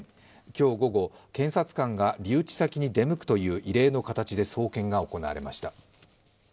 今日午後、検察官が留置先に出向くという異例の形で送検が行われました。